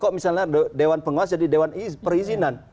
kok misalnya dewan pengawas jadi dewan perizinan